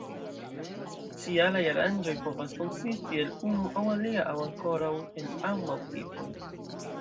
Specialaj aranĝoj povas konsisti el unu aŭ alia aŭ ankoraŭ el ambaŭ tipoj.